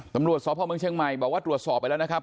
ตำรวจสพเมืองเชียงใหม่บอกว่าตรวจสอบไปแล้วนะครับ